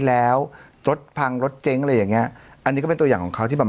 แล้วรถพังรถเจ๊งอะไรอย่างเงี้ยอันนี้ก็เป็นตัวอย่างของเขาที่แบบ